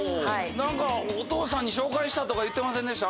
何かお父さんに紹介したとか言ってませんでした？